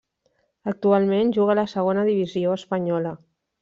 Actualment juga a la segona divisió espanyola.